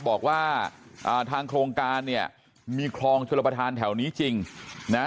บอกว่าอ่าทางโครงการเนี่ยมีคลองชลประธานแถวนี้จริงนะ